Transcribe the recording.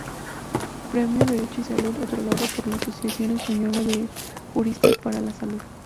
Premio "Derecho y Salud", otorgado por la Asociación Española de Juristas para la salud.